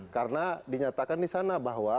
karena dinyatakan disana bahwa